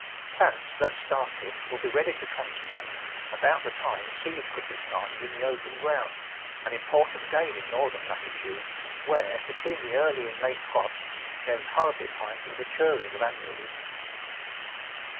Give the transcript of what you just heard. Plants thus started will be ready to trans plant about the time seeds could be started in the open ground — an important gain in northern latitudes, 30 Digitized by Google where, between the early and late frosts there is hardly time for the maturing of annuals.